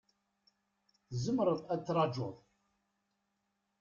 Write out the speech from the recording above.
Tzemreḍ ad trajuḍ.